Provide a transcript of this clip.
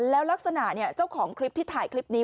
แล้วลักษณะเจ้าของคลิปที่ถ่ายคลิปนี้